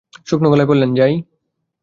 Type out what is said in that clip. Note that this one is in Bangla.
শুকনো গলায় বললেন, যাই?